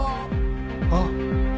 あっ。